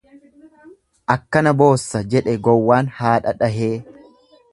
Akkana boossa jedhe gowwaan haadha dhahee.